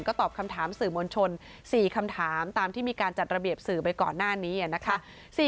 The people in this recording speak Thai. ก็ตอบคำถามสื่อมวลชน๔คำถามตามที่มีการจัดระเบียบสื่อไปก่อนหน้านี้นะคะ